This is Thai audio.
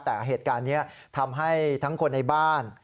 แต่เหตุการณ์นี้ทำให้ทั้งคนในบ้าน